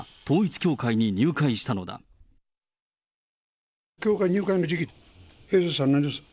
教会入会の時期、平成３年です。